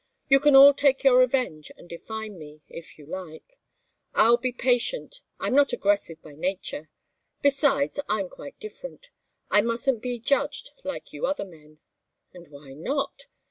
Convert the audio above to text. You can all take your revenge, and define me, if you like. I'll be patient. I'm not aggressive by nature. Besides, I'm quite different I mustn't be judged like you other men." "And why not?"